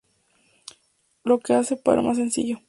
Lo que lo hace mucho más sencillo.